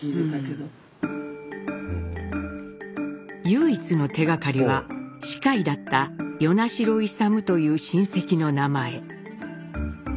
唯一の手がかりは歯科医だった与那城勇という親戚の名前。